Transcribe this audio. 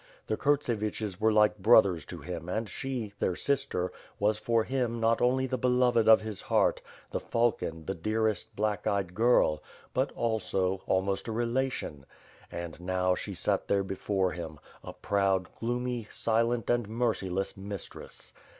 The Kurtseviches were like brothers to him and she, their sister, was for him not only the beloved of his heart, the falcon, the dearest black eyed girl; but, also, almost a relation. And, now, she sat there before him, a proud, gloomy, silent and merciless mistress.